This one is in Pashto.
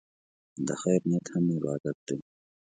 د خیر نیت هم عبادت دی.